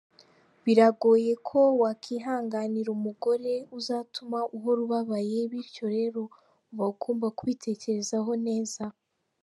Biragoye ko wakwihanganira umugore uzatuma uhora ubabaye, bityo rero uba ugomba kibitekerezaho neza.